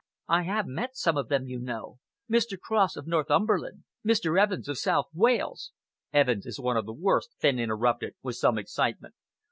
I have met some of them, you know Mr. Cross of Northumberland, Mr. Evans of South Wales " "Evans is one of the worst," Fenn interrupted, with some excitement.